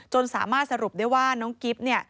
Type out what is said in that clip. จนสามารถสรุปได้ว่าน้องกิ๊บ